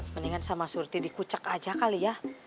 mendingan sama surti dikucek aja kali ya